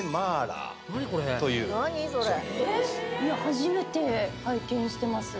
初めて拝見してます